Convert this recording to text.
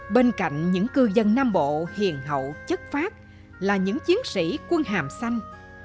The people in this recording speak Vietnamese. bên cạnh những cư dân nam bộ hiền hậu chất phát là những chiến sĩ quân hàm xanh